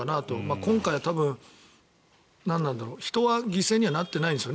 今回は人は犠牲にはなってないんですよね。